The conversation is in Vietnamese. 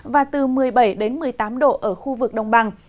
và từ một mươi bảy một mươi tám độ ở khu vực đông bằng